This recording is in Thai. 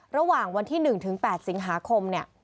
ระหว่างวันที่๑๘สิงหาคม